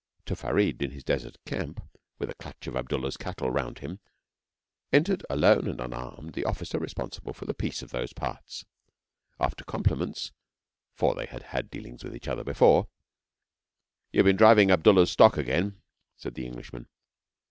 To Farid in his desert camp with a clutch of Abdullah's cattle round him, entered, alone and unarmed, the officer responsible for the peace of those parts. After compliments, for they had had dealings with each other before: 'You've been driving Abdullah's stock again,' said the Englishman.